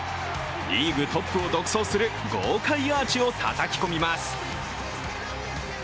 リーグトップを独走する豪快アーチをたたき込みます。